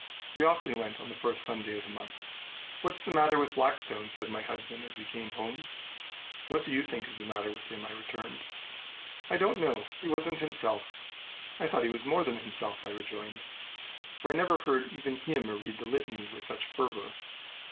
We often went on the first Sunday of the month. "What's the matter with Blackstone?" said my husband as we came home. "What do you think is the matter with him?" I returned. "I don't know. He wasn't himself." "I thought he was more than himself," I rejoined; "for I never heard even him read the litany with such fervor."